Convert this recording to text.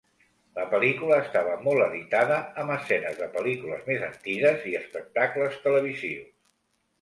La pel·lícula estava molt editada amb escenes de pel·lícules més antigues i espectacles televisius.